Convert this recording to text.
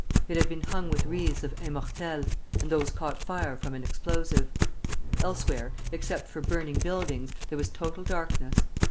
It had been hung with wreaths of immortelles, and those caught fire from an explosive. Elsewhere, except for burning buildings, there was total darkness.